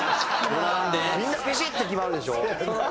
みんなビシって決まるでしょ？